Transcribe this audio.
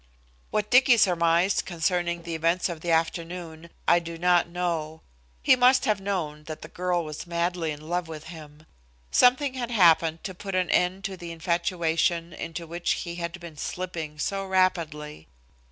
What Dicky surmised concerning the events of the afternoon, I do not know. He must have known that the girl was madly in love with him. Something had happened to put an end to the infatuation into which he had been slipping so rapidly.